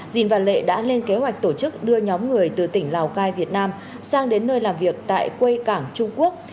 dìn và lệ đã lên kế hoạch tổ chức đưa nhóm người từ tỉnh lào cai việt nam sang đến nơi làm việc tại quây cảng trung quốc